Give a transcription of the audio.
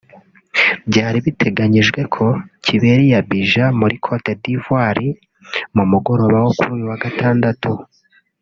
byari biteganyijwe ko kibera i Abidjan muri Cote d’Ivoire mu mugoroba wo kuri uyu wa Gatandatu